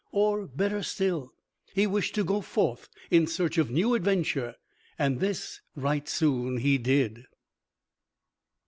Or better still, he wished to go forth in search of new adventure. And this right soon he did.